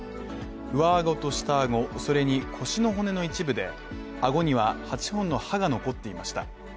上顎と下顎、それに腰の骨の一部で、あごには８本の歯が残っていました。